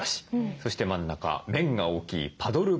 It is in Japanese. そして真ん中面が大きいパドルブラシ。